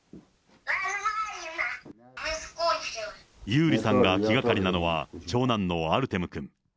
ユーリさんが気がかりなのは、長男のアルテムくん。